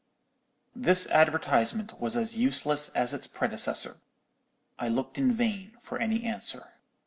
"This advertisement was as useless as its predecessor. I looked in vain for any answer.